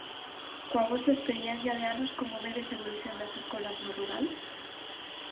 Coa vosa experiencia de anos como vedes a evolución das escolas no rural?